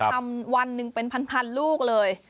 ทำวันหนึ่งเป็น๑๐๐๐ลูกเลย